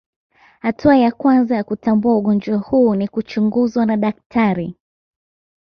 Hatua ya kwanza ya kutambua ugonjwa huu ni kuchunguzwa na daktari